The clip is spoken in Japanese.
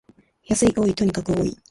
安い、多い、とにかく多い